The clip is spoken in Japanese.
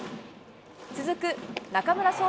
続く中村奨